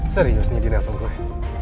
serius nih di nepen gue